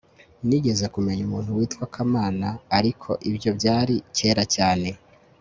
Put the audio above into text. nigeze kumenya umuntu witwa kamana, ariko ibyo byari kera cyane